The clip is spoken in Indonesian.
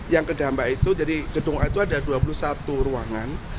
yang kedampak itu jadi gedung a itu ada dua puluh satu ruangan